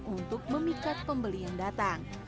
untuk memikat pembeli yang datang